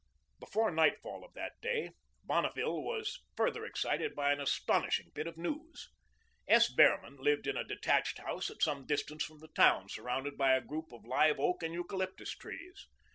Before nightfall of that day, Bonneville was further excited by an astonishing bit of news. S. Behrman lived in a detached house at some distance from the town, surrounded by a grove of live oak and eucalyptus trees.